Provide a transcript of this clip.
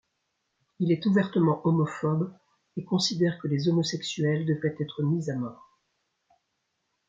Il est ouvertement homophobe, et considère que les homosexuels devraient être mis à mort.